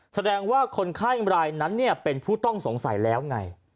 แสดงว่าคนไข้รายนั้นเป็นผู้ต้องสงสัยแล้วไง